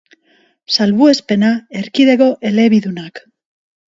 Salbuespena, erkidego elebidunak.